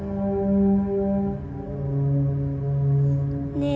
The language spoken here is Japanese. ねえ？